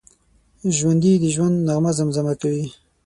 ژوندي د ژوند نغمه زمزمه کوي